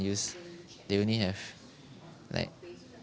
atau mereka hanya memiliki